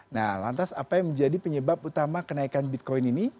nah lantas apa yang menjadi penyebab utama kenaikan bitcoin ini